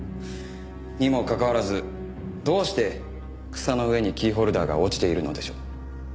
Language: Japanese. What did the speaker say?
にもかかわらずどうして草の上にキーホルダーが落ちているのでしょう。